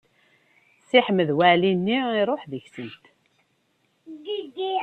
Si Ḥmed Waɛli-nni iruḥ deg-sent.